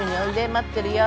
待ってるよ。